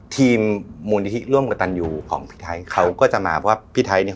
ทีมมูลนิธิร่วมกับตันยูของพี่ไทยเขาก็จะมาเพราะว่าพี่ไทยเนี่ย